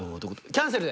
キャンセル？